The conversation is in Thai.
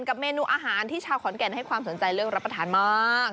เมนูอาหารที่ชาวขอนแก่นให้ความสนใจเรื่องรับประทานมาก